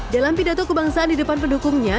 dalam pidato kebangsaan di depan pendukungnya